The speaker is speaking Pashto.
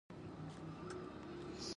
سړک د زیارتونو لار ده.